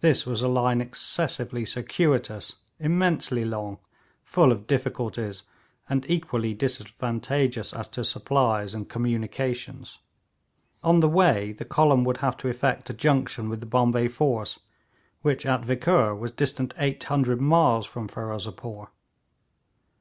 This was a line excessively circuitous, immensely long, full of difficulties, and equally disadvantageous as to supplies and communications. On the way the column would have to effect a junction with the Bombay force, which at Vikkur was distant 800 miles from Ferozepore.